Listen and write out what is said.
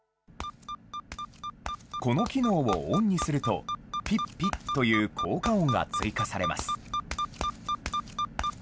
この機能をオンにすると、ピッピッという効果音が追加されます。